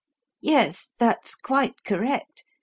"Yes; that's quite correct.